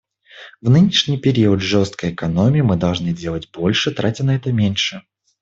В нынешний период жесткой экономии мы должны делать больше, тратя на это меньше.